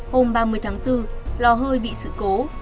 hôm ba mươi bốn lò hơi bị sự cố